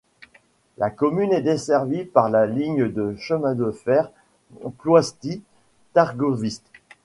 La commune est desservie par la ligne de chemin de fer Ploiești-Târgoviște.